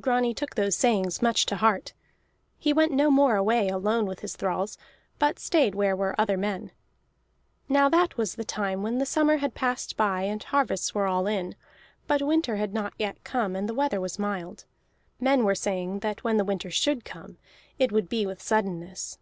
Grani took those sayings much to heart; he went no more away alone with his thralls, but stayed where were other men. Now that was the time when the summer had passed by and harvests were all in, but winter had not yet come and the weather was mild. Men were saying that when winter should come, it would be with suddenness.